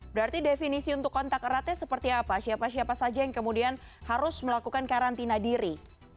berarti definisi untuk kontak eratnya seperti apa siapa siapa saja yang kemudian harus melakukan karantina diri